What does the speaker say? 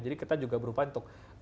jadi kita juga berupaya untuk